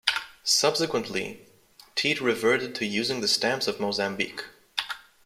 Subsequently, Tete reverted to using the stamps of Mozambique.